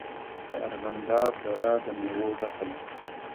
د ارغنداب دره د میوو ډکه ده.